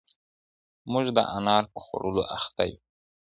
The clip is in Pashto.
موږ د انار په خوړلو اخته یو.